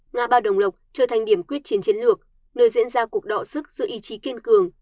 ngã ba đồng lộc trở thành điểm quyết chiến chiến lược nơi diễn ra cuộc đọa sức giữa ý chí kiên cường